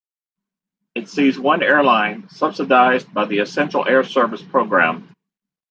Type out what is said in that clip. It sees one airline, subsidized by the Essential Air Service program.